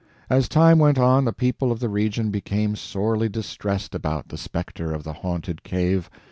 As time went on, the people of the region became sorely distressed about the Specter of the Haunted Cave.